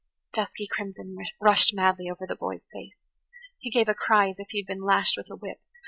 Dusky crimson rushed madly over the boy's face. He gave a cry as if he had been lashed with a whip.